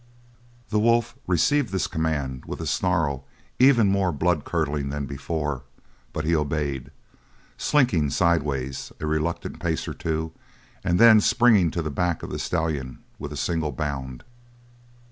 The wolf received this command with a snarl even more blood curdling than before, but he obeyed, slinking sidewise a reluctant pace or two, and then springing to the back of the stallion with a single bound.